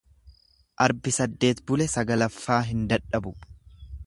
Arbi saddeet bule sagalaffaa hin dadhabu.